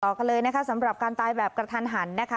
กันเลยนะคะสำหรับการตายแบบกระทันหันนะคะ